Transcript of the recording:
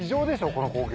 この光景。